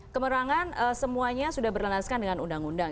kemurangan semuanya sudah berlengaskan dengan undang undang